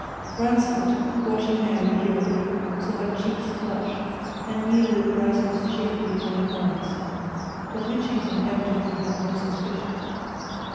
Ransford, watching Mary Bewery, saw her cheeks flush, and knew that Bryce was cheerfully telling lies. But Mitchington evidently had no suspicion.